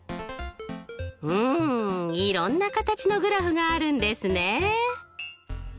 うんいろんな形のグラフがあるんですね。